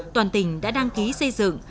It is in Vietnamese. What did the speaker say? toàn tỉnh đã đăng ký xây dựng